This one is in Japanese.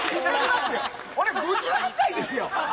俺、５８歳ですよ！